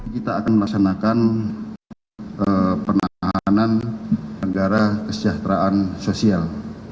kita akan melaksanakan penahanan negara kesejahteraan sosial